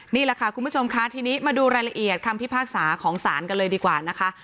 นี่แหละค่ะคุณผู้ชมค่ะทีนี้มาดูรายละเอียดคำพิพากษาของศาลกันเลยดีกว่านะคะ